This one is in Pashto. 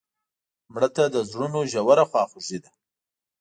مړه ته د زړونو ژوره خواخوږي ده